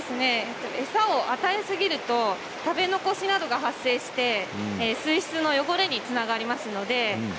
餌を与えすぎると食べ残しなどが発生して水質の汚れにつながります。